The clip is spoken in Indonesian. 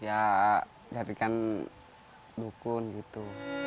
ya jadikan dukun gitu